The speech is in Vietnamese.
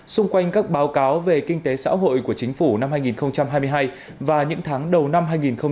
xung quanh các báo cáo về kinh tế xã hội của chính phủ năm hai nghìn hai mươi hai và những tháng đầu năm hai nghìn hai mươi bốn